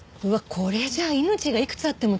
これじゃあ命がいくつあっても足りなくない？